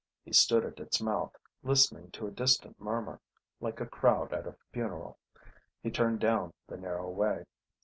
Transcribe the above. He stood at its mouth, listening to a distant murmur, like a crowd at a funeral. He turned down the narrow way.